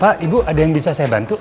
pak ibu ada yang bisa saya bantu